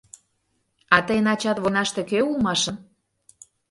— А тыйын ачат войнаште кӧ улмашын?